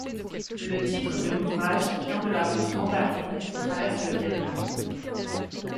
Le titre de l'ouvrage vient de la Route mandarine, qui traverse le Viêt-Nam.